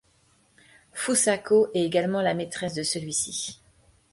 Fusako est également la maîtresse de celui-ci.